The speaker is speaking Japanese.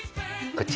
こっち？